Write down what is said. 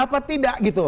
apa tidak gitu